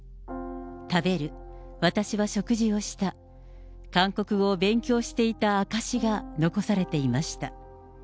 食べる、私は食事をした、韓国語を勉強していた証しが残されていました。